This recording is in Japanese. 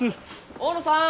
大野さん！